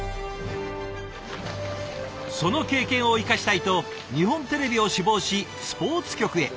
その経験を生かしたいと日本テレビを志望しスポーツ局へ。